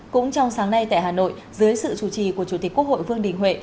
cũng trong sáng nay tại hà nội dưới sự chủ trì của chủ tịch quốc hội vương đình huệ